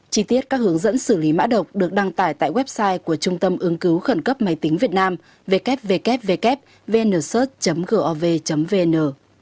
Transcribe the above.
chi tiết các hướng dẫn xử lý mãn độc được đăng tải tại website của trung tâm ứng cứu khẩn cấp máy tính việt nam www vnsource gov vn